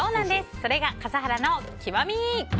それが笠原の極み。